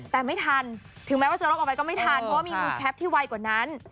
แต่ไม่ทันถึงแม้ว่าจะลกออกไปก็ไม่ทันเพราะว่ามีมือแคปที่ไวกว่านั้น